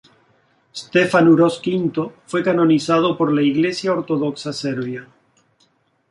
Stefan Uroš V fue canonizado por la Iglesia Ortodoxa Serbia.